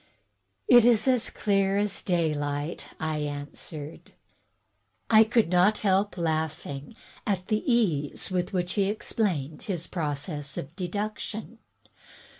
" "It is as clear as daylight," I answered. I could not help laughing at the ease with which he explained his process of deduction.